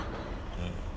うん。